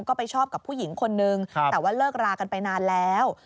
ก็ไปชอบกับผู้หญิงคนนึงแต่ว่าเลิกรากันไปนานแล้ว